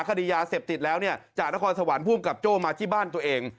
คดียาเสพติดแล้วเนี่ยจากนครสวรรค์ภูมิกับโจ้มาที่บ้านตัวเอง